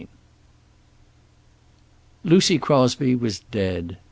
XLV Lucy Crosby was dead.